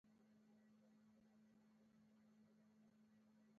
روژه مې غرم پر کړه شل او نهه شپې راته پاتې.